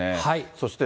そして。